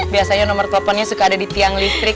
biasanya nomor teleponnya suka ada di tiang listrik